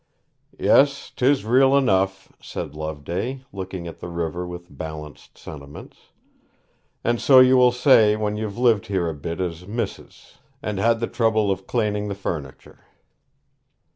'Yes, 'tis real enough,' said Loveday, looking at the river with balanced sentiments; 'and so you will say when you've lived here a bit as mis'ess, and had the trouble of claning the furniture.'